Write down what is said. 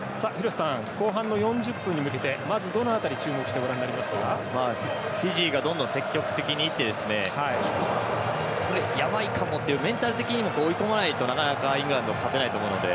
後半の４０分に向けてまず、どの辺り注目してフィジーがどんどん積極的にいってやばいかもっていうメンタル的にも追い込まないとなかなか、イングランド勝てないと思うので。